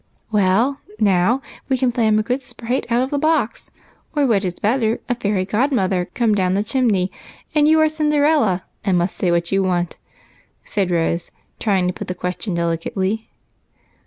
" Well, now, we can play I 'm a good sprite out of the box, or, what is better, a fairy godmother comt down the chimney, and you are Cinderella, and must gay what you want," said Rose, trying to put the question delicately.